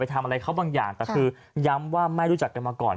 ทำอะไรเขาบางอย่างแต่คือย้ำว่าไม่รู้จักกันมาก่อน